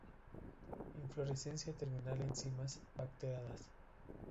Inflorescencia terminal en cimas, bracteadas.